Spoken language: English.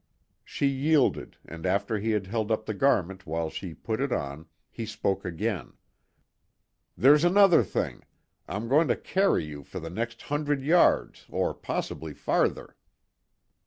She yielded, and after he had held up the garment while she put it on, he spoke again: "There's another thing; I'm going to carry you for the next hundred yards, or possibly farther."